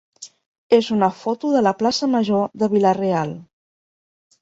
és una foto de la plaça major de Vila-real.